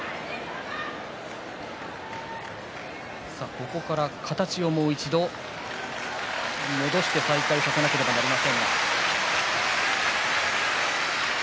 ここから形をもう一度戻して再開させなければなりません。